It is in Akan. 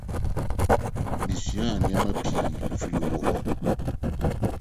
Misuaa nneɛma pii fii wo hɔ.